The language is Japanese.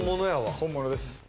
本物です。